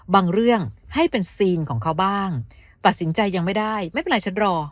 เรื่องให้เป็นซีนของเขาบ้างตัดสินใจยังไม่ได้ไม่เป็นไรฉันรอ